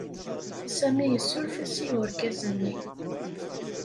Sami yessuref-as i urgaz-nni.